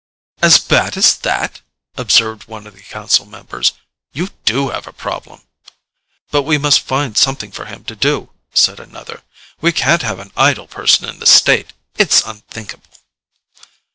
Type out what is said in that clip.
"As bad as that?" observed one of the council members. "You do have a problem." "But we must find something for him to do," said another. "We can't have an idle person in the State. It's unthinkable."